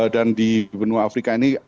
dan di benua afrika ini